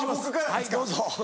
はいどうぞ。